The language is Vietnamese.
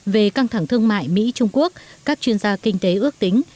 về căng thẳng thương mại mỹ trung quốc các chuyên gia kinh tế ước tính